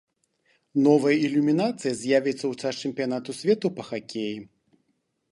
Новая ілюмінацыя з'явіцца і ў час чэмпіянату свету па хакеі.